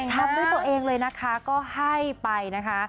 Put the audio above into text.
ทำด้วยตัวเองเลยนะคะก็ให้ไปนะคะ